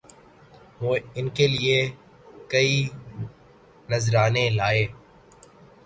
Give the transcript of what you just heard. وہ ان کے لیے کئی نذرانے لائے